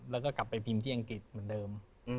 แล้วก็กลับไปพิมพ์ที่อังกฤษเหมือนเดิม